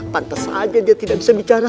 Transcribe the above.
pantas saja dia tidak bisa bicara